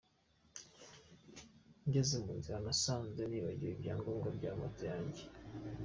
Ngeze mu nzira nasanze nibagiwe ibyangombwa bya moto yanjye.